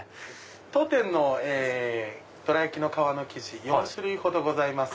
当店のどら焼きの皮の生地４種類ほどございます。